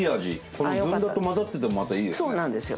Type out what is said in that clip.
このずんだと混ざっててもまたいいですね